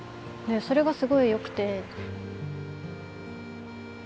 それがすごいよくて。